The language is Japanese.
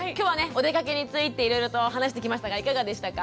おでかけについていろいろと話してきましたがいかがでしたか？